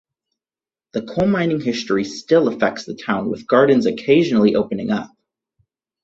The coal mining history still affects the town with gardens occasionally opening up.